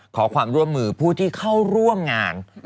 ขอความร่วมมือผู้ที่เข้าร่วมงาน